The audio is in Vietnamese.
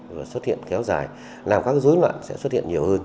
và xuất hiện kéo dài làm các dối loạn sẽ xuất hiện nhiều hơn